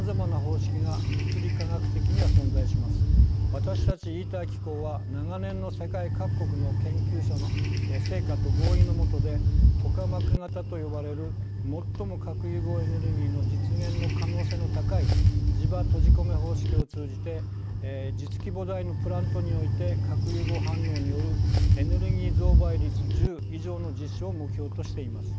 私たちＩＴＥＲ機構は長年の世界各国の研究者の成果と合意のもとでトカマク型と呼ばれる最も核融合エネルギーの実現の可能性の高い磁場閉じ込め方式を通じて実規模大のプラントにおいて核融合反応によるエネルギー増倍率１０以上の実証を目標としています。